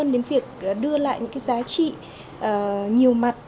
đến việc đưa lại những giá trị nhiều mặt